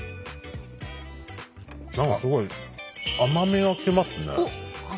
何かすごい甘みが来ますね。